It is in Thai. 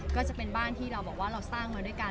ก็จะเป็นบ้านที่เราบอกว่าเราสร้างมาด้วยกัน